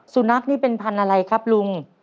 สุนัขนี่เป็นพันธุ์อะไรครับลุง